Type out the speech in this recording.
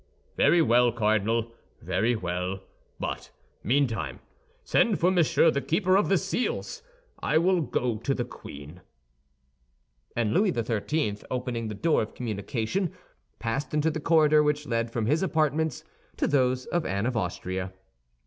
"Very well, Cardinal, very well; but, meantime, send for Monsieur the Keeper of the Seals. I will go to the queen." And Louis XIII., opening the door of communication, passed into the corridor which led from his apartments to those of Anne of Austria.